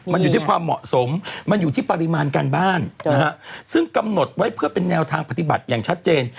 มันอยู่ที่ความเหมาะสมมันอยู่ที่ปริมาณการบ้านนะฮะซึ่งกำหนดไว้เพื่อเป็นแนวทางปฏิบัติอย่างชัดเจน